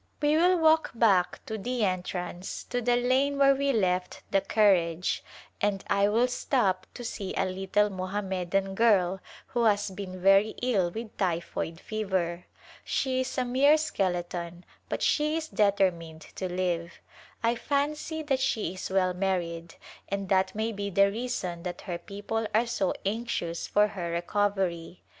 We will walk back to the entrance to the lane where we left the carriage and I will stop to see a lit tle Mohammedan girl who has been very ill with typhoid fever. She is a mere skeleton but she is determined to live. I fancy that she is well married and that may be the reason that her people are so anxious for her recovery.